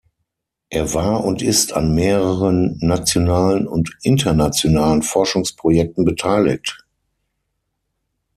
Er war und ist an mehreren nationalen und internationalen Forschungsprojekten beteiligt.